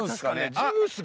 ジュースが。